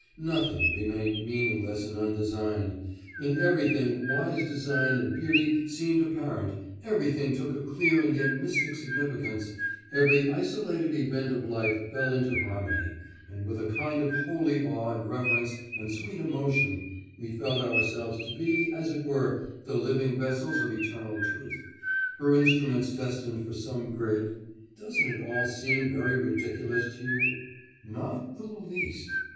Nothing remained meaningless and undesigned, in everything wise design and beauty seemed apparent, everything took a clear and yet mystic significance; every isolated event of life fell into harmony, and with a kind of holy awe and reverence and sweet emotion we felt ourselves to be, as it were, the living vessels of eternal truth, her instruments destined for some great... Doesn't it all seem very ridiculous to you?' 'Not the least!